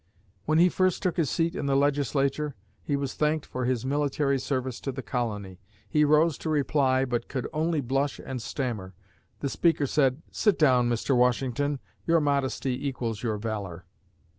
When he first took his seat in the Legislature, he was thanked for his military service to the colony. He rose to reply, but could only blush and stammer. The speaker said, "Sit down, Mr. Washington, your modesty equals your valor!"